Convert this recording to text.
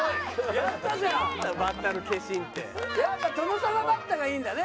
やっぱトノサマバッタがいいんだね。